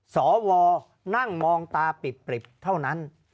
สวนั่งมองตาปริบเท่านั้น